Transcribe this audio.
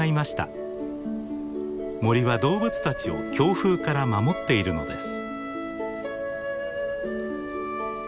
森は動物たちを強風から守っているのです。